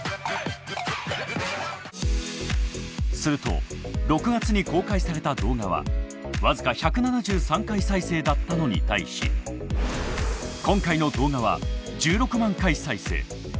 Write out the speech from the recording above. すると６月に公開された動画は僅か１７３回再生だったのに対し今回の動画は１６万回再生。